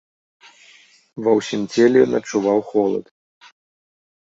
Ва ўсім целе ён адчуваў холад.